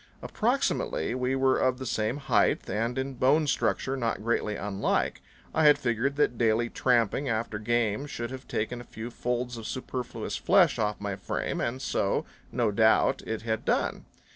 Approximately, we were of the same height and in bone structure not greatly unlike. I had figured that daily tramping after game should have taken a few folds of superfluous flesh off my frame, and so, no doubt, it had done.